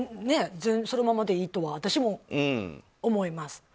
全然そのままでいいとは私も思います。